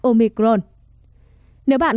omicron nếu bạn